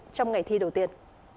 trong ngày thi đầu tiên